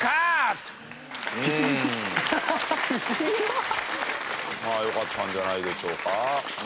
まあよかったんじゃないでしょうか。